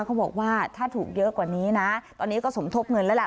เขาบอกว่าถ้าถูกเยอะกว่านี้นะตอนนี้ก็สมทบเงินแล้วล่ะ